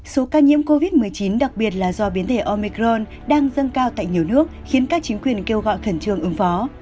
số ca nhiễm covid một mươi chín đặc biệt là do biến thể omicron đang dâng cao tại nhiều nước khiến các chính quyền kêu gọi khẩn trương ứng phó